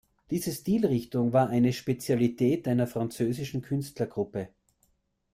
Diese Stilrichtung war eine Spezialität einer französischen Künstlergruppe.